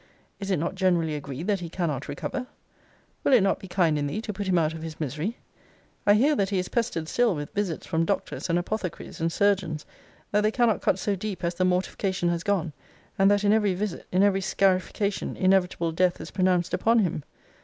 Is it not generally agreed that he cannot recover? Will it not be kind in thee to put him out of his misery? I hear that he is pestered still with visits from doctors, and apothecaries, and surgeons; that they cannot cut so deep as the mortification has gone; and that in every visit, in every scarification, inevitable death is pronounced upon him.